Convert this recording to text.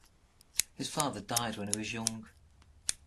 His father died when he was young.